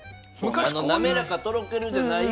なめらかとろけるじゃない。